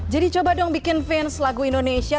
jadi coba dong bikin vince lagu indonesia